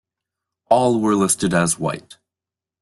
All were listed as white.